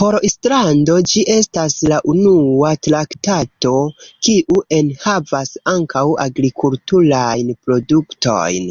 Por Islando, ĝi estas la unua traktato, kiu enhavas ankaŭ agrikulturajn produktojn.